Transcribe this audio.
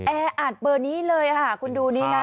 แอร์อาจเบอร์นี้เลยคุณดูนี้นะ